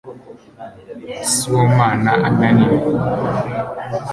sibomana ananie